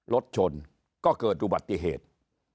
รถชนก็เกิดอุบัติเหตุ